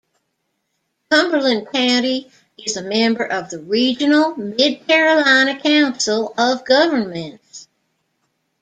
Cumberland County is a member of the regional Mid-Carolina Council of Governments.